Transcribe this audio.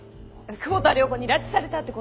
久保田涼子に拉致されたって事？